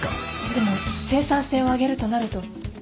でも生産性を上げるとなると社員の負担は